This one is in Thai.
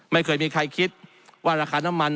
ไม่เคยมีใครคิดว่าราคาน้ำมัน